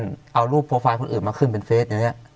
เราเอารูปโปรไฟล์คุณอื่นมาขึ้นเป็นไฟส์ไหนเนี่ย